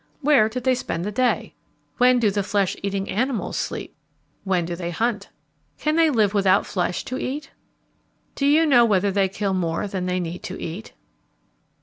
Where did they spend the day? When do the flesh eating animals sleep? When do they hunt? Can they live without flesh to eat? Do you know whether they kill more than they need to eat?